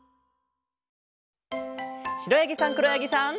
しろやぎさんくろやぎさん。